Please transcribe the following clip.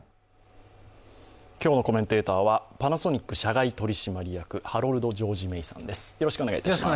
今日のコメンテーターはパナソニック社外取締役ハロルド・ジョージ・メイさんです。